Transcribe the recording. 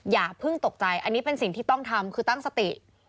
อย่าเพิ่งตกใจอันนี้เป็นสิ่งที่ต้องทำคือตั้งสติ